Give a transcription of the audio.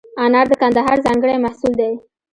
انار د کندهار ځانګړی محصول دی.